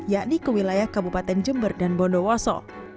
yakni ke wilayah kabupaten jember dan bondowoso